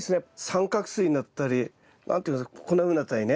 三角錐になったり何て言うんですかこんなふうになったりね。